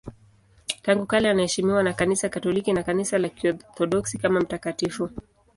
Tangu kale anaheshimiwa na Kanisa Katoliki na Kanisa la Kiorthodoksi kama mtakatifu.